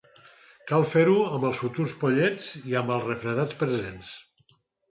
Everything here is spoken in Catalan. Cal fer-ho amb els futurs pollets i amb els refredats presents.